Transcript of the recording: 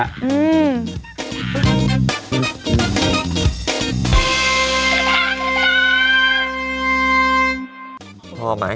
ยังเปิดไหม